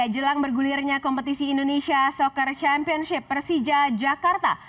jelang bergulirnya kompetisi indonesia soccer championship persija jakarta